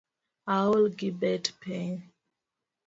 Aol gi bet piny